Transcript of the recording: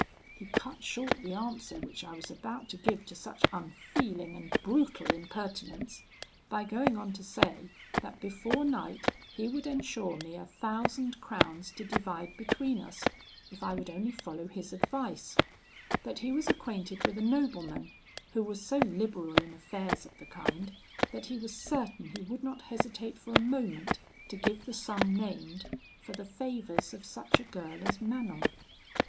He cut short the answer which I was about to give to such unfeeling and brutal impertinence, by going on to say, that before night he would ensure me a thousand crowns to divide between us, if I would only follow his advice; that he was acquainted with a nobleman, who was so liberal in affairs of the kind, that he was certain he would not hesitate for a moment to give the sum named for the favours of such a girl as Manon.